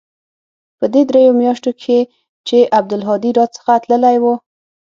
په دې درېو مياشتو کښې چې عبدالهادي را څخه تللى و.